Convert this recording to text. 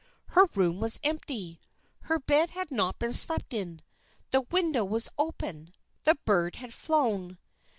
Her room was empty. Her bed had not been slept in. The window was open! The bird had flown!